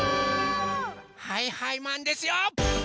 はいはいマンですよー！